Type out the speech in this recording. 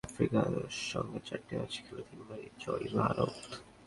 T twenty বিশ্বকাপে দক্ষিণ আফ্রিকার সঙ্গে চারটি ম্যাচ খেলে তিনবারই জয়ী ভারত।